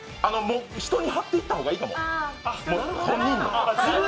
人に貼っていった方がいいかも。